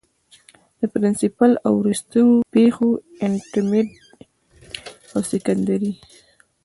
د پرنسپل او وروستو پيښورانټرميډيټ او سکنډري